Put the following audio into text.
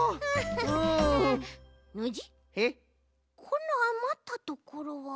このあまったところは。